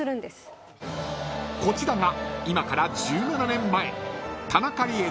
［こちらが今から１７年前田中理恵